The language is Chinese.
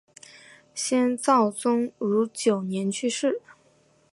先赵宗儒九年去世。